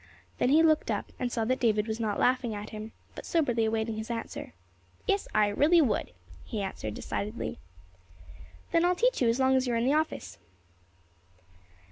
Then he looked up, and saw that David was not laughing at him, but soberly awaiting his answer. "Yes, I really would," he answered, decidedly. "Then I'll teach you as long as you are in the office."